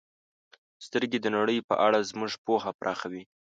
• سترګې د نړۍ په اړه زموږ پوهه پراخوي.